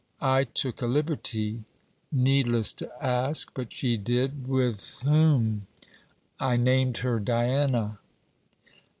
'I took a liberty.' Needless to ask, but she did. 'With whom?' 'I named her Diana.'